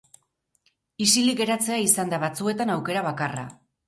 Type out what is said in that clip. Isilik geratzea izaten da batzuetan aukera bakarra.